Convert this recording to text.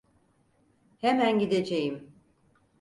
Hemen gideceğim.